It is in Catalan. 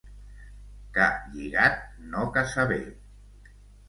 Ca lligat no caça bé.